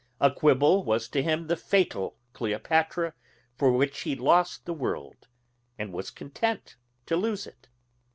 A quibble was to him the fatal Cleopatra for which he lost the world, and was content to lose it.